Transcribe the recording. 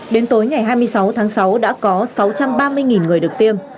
đến tối ngày hai mươi sáu tháng sáu đã có sáu trăm ba mươi người được tiêm